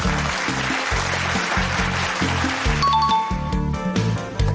มีความรู้สึกว่าคุณชนะสวัสดีครับ